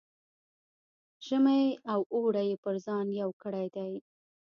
ژمی او اوړی یې پر ځان یو کړی دی.